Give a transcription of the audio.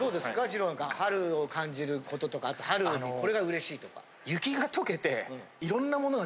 じろうなんか春を感じることとかあと春のこれがうれしいとか。